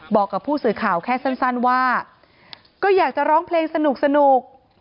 บอกกับผู้สื่อข่าวแค่สั้นว่าก็อยากจะร้องเพลงสนุก